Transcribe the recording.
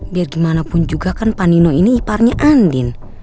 biar gimana pun juga kan panino ini iparnya andin